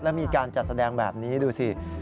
แล้วมีการจัดแสดงแบบนี้ดูสิ